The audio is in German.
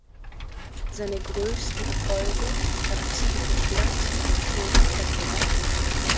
Seine größten Erfolge erzielte Platt beim Cape Epic.